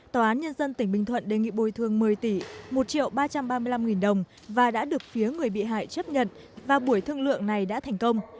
tòa án nhân dân tỉnh bình thuận đề nghị bồi thường một mươi tỷ một triệu ba trăm ba mươi năm nghìn đồng và đã được phía người bị hại chấp nhận và buổi thương lượng này đã thành công